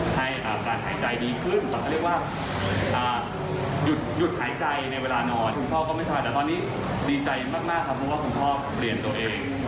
แต่ตอนนี้ดีใจมากครับเพราะว่าคุณพ่อเปลี่ยนตัวเอง